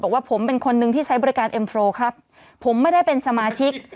บอกว่าผมเป็นคนนึงที่ใช้บริการเอ็มโฟร์ครับผมไม่ได้เป็นสมาชิก